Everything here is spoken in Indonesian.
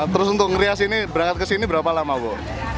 terus untuk ngerias ini berangkat ke sini berapa lama bu